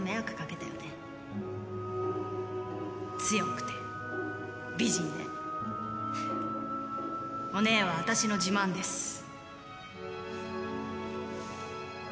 強くて美人でお姉は私の自慢です。